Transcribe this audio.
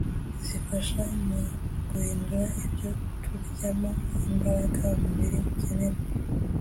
zifasha mu guhindura ibyo turyamo imbaraga umubiri ukenera